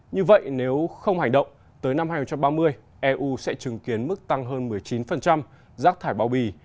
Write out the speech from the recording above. như vậy nếu không hành động tới năm hai nghìn ba mươi eu sẽ chứng kiến mức tăng hơn một mươi chín rác thải bao bì